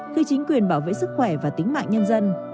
khi chính quyền bảo vệ sức khỏe và tính mạng nhân dân